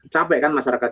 capek kan masyarakat